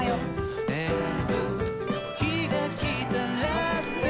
選ぶ日がきたらって